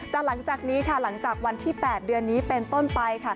แต่หลังจากนี้ค่ะหลังจากวันที่๘เดือนนี้เป็นต้นไปค่ะ